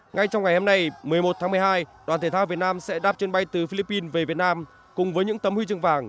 ngay trong ngày hôm nay một mươi một tháng một mươi hai đoàn thể thao việt nam sẽ đạp chuyến bay từ philippines về việt nam cùng với những tấm huy chương vàng